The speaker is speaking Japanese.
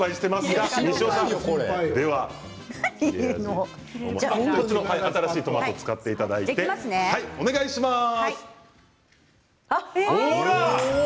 大吉さん、心配していますが新しいトマトを使っていただいてお願いします。